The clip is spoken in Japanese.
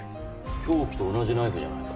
凶器と同じナイフじゃないか。